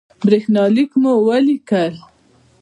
برېښنالک مو ولیکئ